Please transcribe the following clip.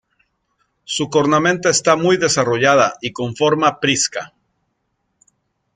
Su cornamenta está muy desarrollada y con forma prisca.